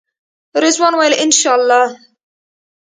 رضوان وویل انشاالله.